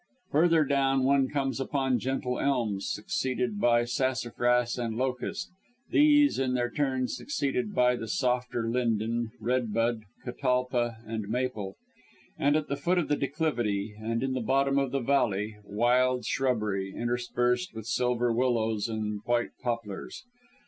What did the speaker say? Further down one comes upon gentle elms, succeeded by sassafras and locust these, in their turn, succeeded by the softer linden, red bud, catalpa, and maple; and at the foot of the declivity, and in the bottom of the valley, wild shrubbery, interspersed with silver willows, and white poplars.